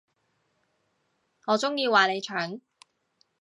我中意話你蠢